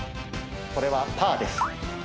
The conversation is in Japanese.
これはパーです。